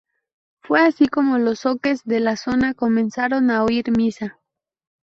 Fue así como los zoques de la zona comenzaron a oír misa.